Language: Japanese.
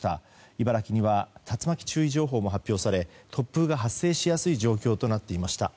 茨城には竜巻注意情報も発表され突風が発生しやすい状況となっていました。